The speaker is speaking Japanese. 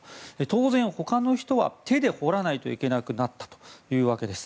当然、他の人は手で掘らないといけなくなったというわけです。